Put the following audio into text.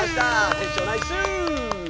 テッショウナイス！